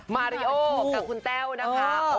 มาริโอบกับคุณแต้วนะคะ